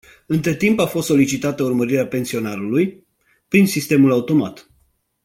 Între timp a fost solicitată urmărirea pensionarului, prin sistemul automat.